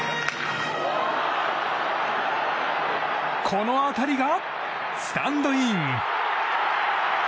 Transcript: この当たりがスタンドイン。